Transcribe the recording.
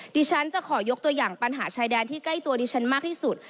ดิฉันจะขอยกตัวอย่างปัญหาชายแดนที่ใกล้ตัวดิฉันมากที่สุด